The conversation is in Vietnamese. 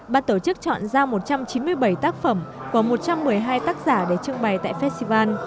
ban tổ chức chọn ra một trăm chín mươi bảy tác phẩm của một trăm một mươi hai tác giả để trưng bày tại festival